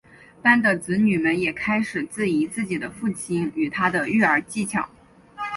班的子女们也开始质疑自己的父亲与他的育儿技巧。